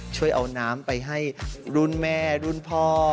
ช่วยเอาน้ำไปให้รุ่นแม่รุ่นพ่อ